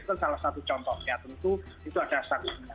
itu salah satu contohnya tentu itu ada saksinya